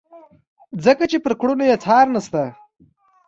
ځکه چې پر کړنو یې څار نشته.